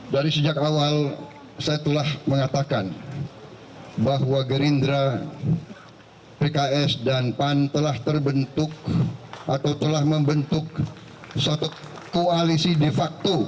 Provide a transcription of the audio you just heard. dari sejak awal saya telah mengatakan bahwa gerindra pks dan pan telah terbentuk atau telah membentuk suatu koalisi de facto